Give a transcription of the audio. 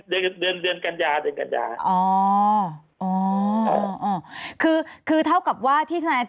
เดือนเดือนเดือนกันยาเดือนกันยาอ๋ออ๋ออ๋อคือคือเท่ากับว่าที่ทนาย